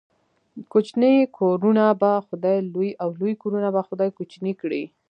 کوچني کورونه به خداى لوى ، او لوى کورونه به خداى کوچني کړي.